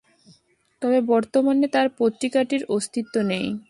তবে বর্তমানে আর পত্রিকাটির অস্তিত্ব নেই।